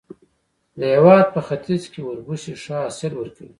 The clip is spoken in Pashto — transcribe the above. د هېواد په ختیځ کې اوربشې ښه حاصل ورکوي.